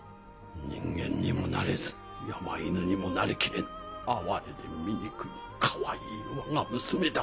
人間にもなれず山犬にもなりきれぬ哀れで醜いかわいいわが娘だ。